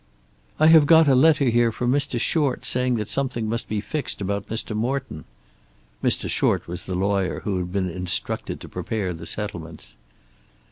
"I have got a letter here from Mr. Short saying that something must be fixed about Mr. Morton." Mr. Short was the lawyer who had been instructed to prepare the settlements.